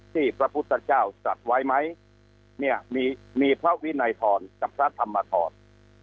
พระพุทธเจ้าจัดไว้ไหมเนี่ยมีพระวินัยทรกับพระธรรมธร